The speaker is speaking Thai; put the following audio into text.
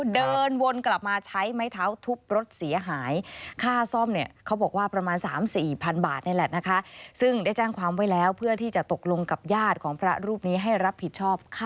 เดินวนกลับมาใช้ไม้เท้าทุบรถเสียหาย